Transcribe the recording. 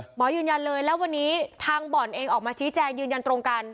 หมอยืนยันเลยแล้ววันนี้ทางบ่อนเองออกมาชี้แจงยืนยันตรงกัน